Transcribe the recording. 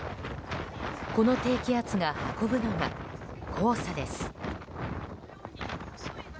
この低気圧が運ぶのが黄砂です。